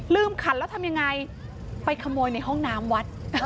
ขันแล้วทำยังไงไปขโมยในห้องน้ำวัด